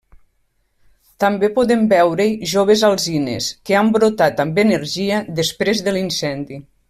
També podem veure-hi joves alzines que han brotat amb energia després de l'incendi.